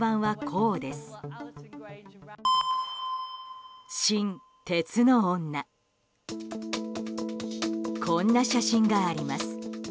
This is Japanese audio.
こんな写真があります。